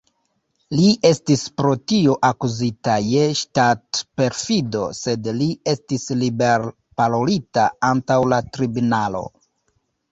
Li estis pro tio akuzita je ŝtat-perfido, sed li estis liber-parolita antaŭ la tribunalo.